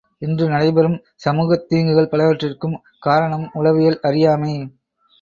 இன்று நடைபெறும் சமூகத் தீங்குகள் பலவற்றிற்கும் காரணம் உளவியல் அறியாமை.